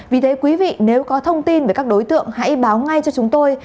vì thế quý vị nếu có thông tin về các đối tượng hãy báo ngay cho chúng tôi